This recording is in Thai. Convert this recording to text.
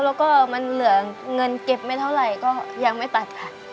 แล้วก็มันเหลือเงินเก็บไม่เท่าไหร่ก็ยังไม่ตัดค่ะ